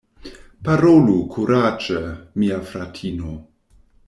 Parolu kuraĝe, mia fratino!